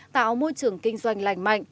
tạo môi trường kinh doanh lành mạnh